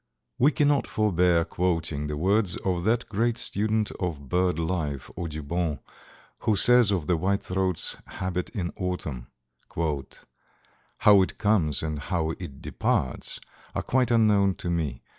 We cannot forbear quoting the words of that great student of bird life, Audubon, who says of the White Throat's habit in autumn, "How it comes and how it departs are quite unknown to me.